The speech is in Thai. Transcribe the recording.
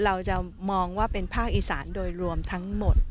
เราจะมองว่าเป็นภาคอีสานโดยรวมทั้งหมด